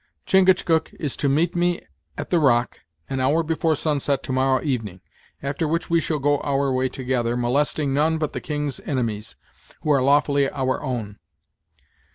Chingachgook is to meet me at the rock, an hour afore sunset to morrow evening, after which we shall go our way together, molesting none but the king's inimies, who are lawfully our own.